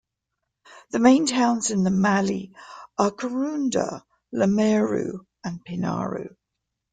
The main towns in the mallee are Karoonda, Lameroo and Pinnaroo.